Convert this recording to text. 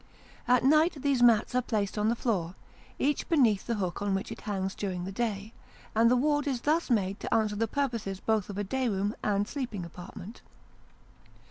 At night, these mats are placed on the floor, each beneath the hook on which it hangs during the day ; and the ward is thus made to answer the purposes both of a day room and sleeping apartment.